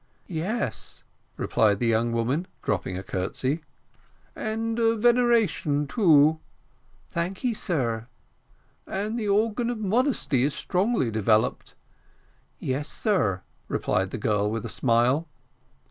"Yes," replied the young woman, dropping a curtsey. "And veneration also." "Thanky, sir." "And the organ of modesty is strongly developed." "Yes, sir," replied the girl, with a smile.